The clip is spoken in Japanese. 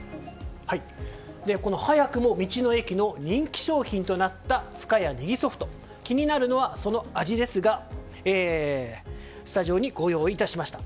早くも道の駅の人気商品となった深谷ネギソフト、気になるのはその味ですがスタジオにご用意いたしました。